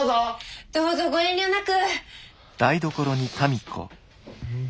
どうぞご遠慮なく。